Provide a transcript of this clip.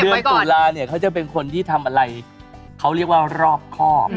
ตุลาเนี่ยเขาจะเป็นคนที่ทำอะไรเขาเรียกว่ารอบครอบ